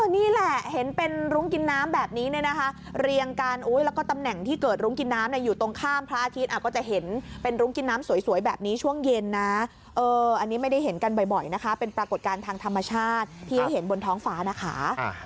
นี่แหละเห็นเป็นรุ้งกินน้ำแบบนี้เนี่ยนะคะเรียงกันแล้วก็ตำแหน่งที่เกิดรุ้งกินน้ำอยู่ตรงข้ามพระอาทิตย์ก็จะเห็นเป็นรุ้งกินน้ำสวยแบบนี้ช่วงเย็นนะอันนี้ไม่ได้เห็นกันบ่อยนะคะเป็นปรากฏการณ์ทางธรรมชาติที่เห็นบนท้องฟ้านะคะ